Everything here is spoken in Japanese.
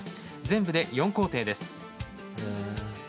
全部で４工程です。